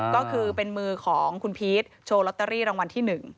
ก็คือเป็นมือของคุณพีชโชว์ลอตเตอรี่รางวัลที่๑